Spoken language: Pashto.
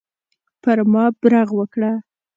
پر ما برغ وکړه.